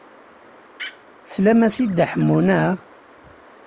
Teslam-as i Dda Ḥemmu, naɣ?